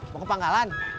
mau ke pangalan